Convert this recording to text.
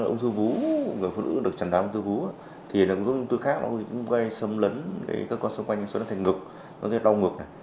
ông thư vú người phụ nữ được chẳng đáng ông thư vú thì ông thư khác nó cũng gây sấm lấn để các con xung quanh nó sẽ đau ngực nó sẽ đau ngực